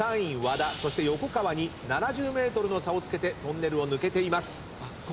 横川に７０ｍの差をつけてトンネルを抜けています。